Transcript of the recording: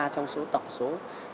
trong tổng số